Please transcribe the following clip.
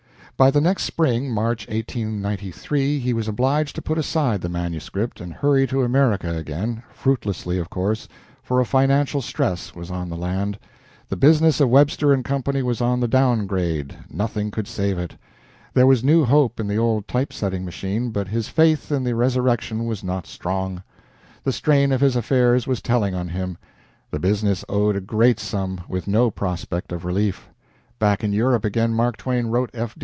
But the next spring, March, 1893, he was obliged to put aside the manuscript and hurry to America again, fruitlessly, of course, for a financial stress was on the land; the business of Webster & Co. was on the down grade nothing could save it. There was new hope in the old type setting machine, but his faith in the resurrection was not strong. The strain of his affairs was telling on him. The business owed a great sum, with no prospect of relief. Back in Europe again, Mark Twain wrote F.